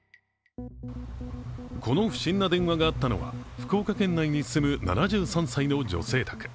この不審な電話があったのは福岡家内に住む７３歳の女性宅。